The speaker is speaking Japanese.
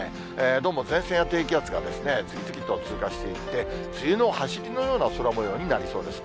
どうも前線や低気圧が次々と通過していって、梅雨の走りのような空もようになりそうです。